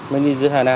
mình đi dưới hà nam ạ